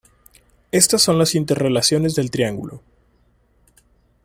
Estas son las interrelaciones del triángulo.